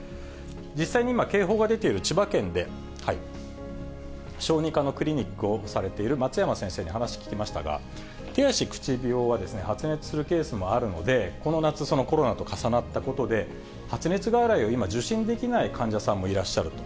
実際に今、警報が出ている千葉県で、小児科のクリニックをされている松山先生に話を聞きましたが、手足口病は、発熱するケースもあるので、この夏、コロナと重なったことで、発熱外来を今、受診できない患者さんもいらっしゃると。